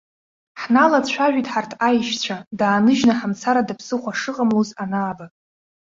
Ҳналацәажәеит ҳарҭ аишьцәа, дааныжьны ҳамцар ада ԥсыхәа шыҟамлоз анааба.